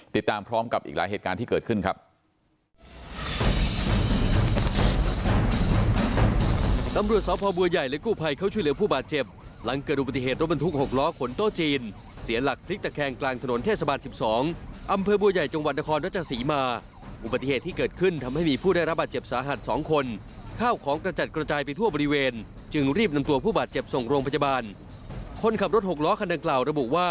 ติดตามพร้อมกับอีกหลายเหตุการณ์ที่เกิดขึ้นครับ